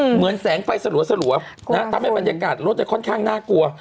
เหมือนแสงไฟสลัวทำให้บรรยากาศรถค่อนข้างน่ากลัว